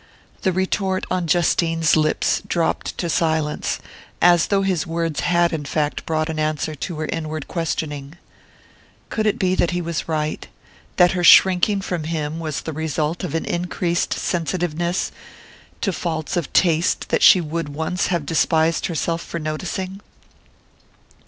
The retort on Justine's lips dropped to silence, as though his words had in fact brought an answer to her inward questioning. Could it be that he was right that her shrinking from him was the result of an increased sensitiveness to faults of taste that she would once have despised herself for noticing?